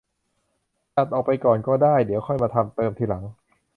ตัดออกไปก่อนก็ได้ เดี๋ยวค่อยทำมาเติมทีหลัง